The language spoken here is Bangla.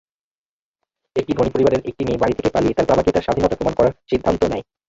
একটি ধনী পরিবারের একটি মেয়ে বাড়ি থেকে পালিয়ে তার বাবাকে তার স্বাধীনতা প্রমাণ করার সিদ্ধান্ত নেয়।